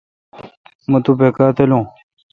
مہ تو بکا تلون۔